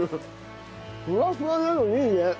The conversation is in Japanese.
ふわふわなのいいね。